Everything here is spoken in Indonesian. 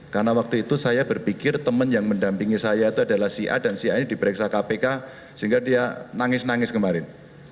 karena waktu itu saya berpikir teman yang mendampingi saya itu adalah si a dan si a ini diperiksa kpk sehingga dia nangis nangis kemarin